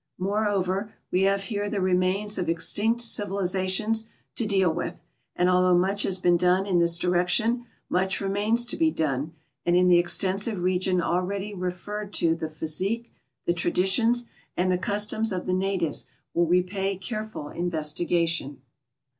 Moreover, we have here the remains of extinct civilizations to deal with, and although much has been done in this direction, much remains to be done, and in the extensive region alread}' referred to the physique, the traditions, and the customs of the natives will repay careful investigation.